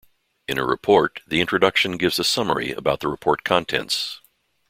In a report, the introduction gives a summary about the report contents.